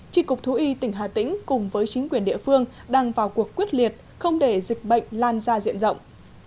trị cục thú y tỉnh hà tĩnh cùng với chính quyền địa phương đang vào cuộc quyết liệt không để dịch bệnh lan ra diện rộng